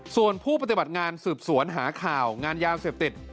ส่วนผู้ปฏิบัติงานสืบสวนหาข่าวงานยาเสพติด